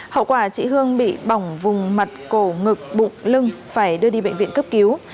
hậu quả chị hương bị bỏng vùng mặt cổ ngực bụng lưng phải đưa đi bệnh viện cấp cứu